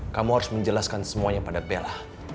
kamu harus menjelaskan semuanya pada bella